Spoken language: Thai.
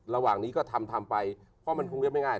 ระหว่างนี้ก็ทำทำไปเพราะมันคงเรียบง่าย